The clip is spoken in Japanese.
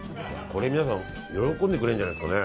これ皆さん喜んでくれるんじゃないですかね。